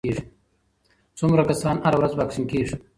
څومره کسان هره ورځ واکسین کېږي؟